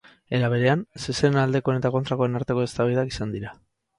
Era berean, zezenen aldekoen eta kontrakoen arteko eztabaidak izan dira.